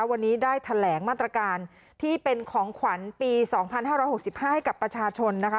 วันนี้ได้แถลงมาตรการที่เป็นของขวัญปีสองพันห้าร้อยหกสิบห้าให้กับประชาชนนะคะ